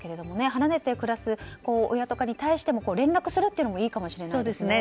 離れて暮らす親とかに対して連絡するというのもいいかもしれないですね。